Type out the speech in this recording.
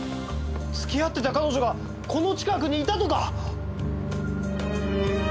付き合ってた彼女がこの近くにいたとか！？